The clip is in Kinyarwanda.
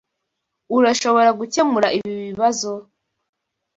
Urashobora gukemura ibi bibazo?